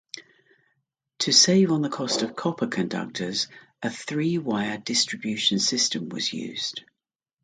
To save on the cost of copper conductors, a three-wire distribution system was used.